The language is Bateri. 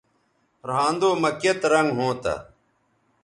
رھاندو مہ کیئت رنگ ھونتہ